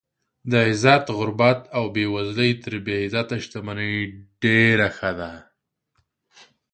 د عزت غربت او بې وزلي تر بې عزته شتمنۍ ډېره ښه ده.